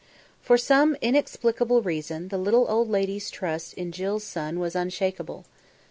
For some inexplicable reason, the little old lady's trust in Jill's son was unshakable.